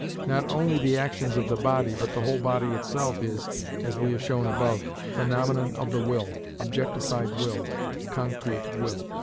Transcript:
Not only the actions of the body, but the whole body itself is, as we have shown above, phenomenon of the will, objectified will, concrete will.